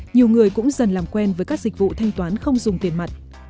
nhiều người cũng dần làm quen với các dịch vụ thanh toán không dùng tiền mặt